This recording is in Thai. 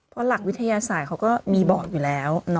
เพราะหลักวิทยาศาสตร์เขาก็มีบอกอยู่แล้ว